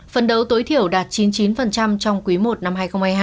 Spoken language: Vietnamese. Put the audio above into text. phần đấu tối thiểu đạt chín mươi chín trong quý i năm hai nghìn hai mươi hai